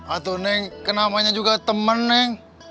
atuh neng kenamanya juga temen neng